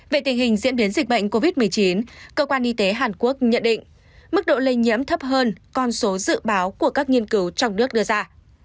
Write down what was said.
về tình hình diễn biến dịch bệnh covid một mươi chín cơ quan y tế hàn quốc nhận định mức độ lây nhiễm thấp hơn con số dự báo của các nghiên cứu trong nước đưa ra